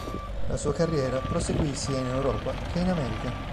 La sua carriera proseguì sia in Europa che in America.